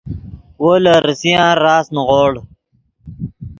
وو لے ریسیان راست نیغوڑ